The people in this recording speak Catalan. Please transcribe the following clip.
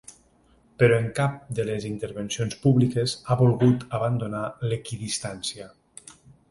Però en cap de les intervencions públiques ha volgut abandonar l’equidistància.